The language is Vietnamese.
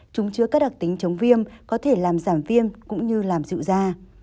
chúng chứa các đặc tính chống viêm có thể làm giảm viêm cũng như làm dịu da